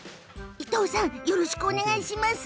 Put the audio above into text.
伊藤さんよろしくお願いします。